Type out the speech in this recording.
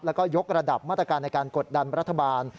แล้วก็ยกระดับมาตรการในการกดดันรัฐบาล